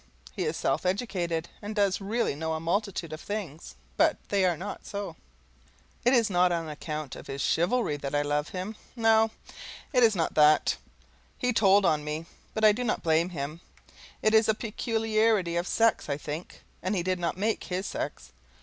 He is self educated, and does really know a multitude of things, but they are not so. It is not on account of his chivalry that I love him no, it is not that. He told on me, but I do not blame him; it is a peculiarity of sex, I think, and he did not make his sex.